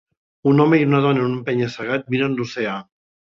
Un home i una dona en un penya-segat miren l'oceà.